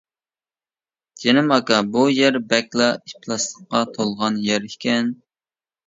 جېنىم ئاكا بۇ يەر بەكلا ئىپلاسلىققا تولغان يەر ئىكەن.